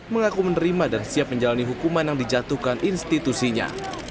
mengaku menerima dan siap menjalani hukuman yang dijatuhkan institusinya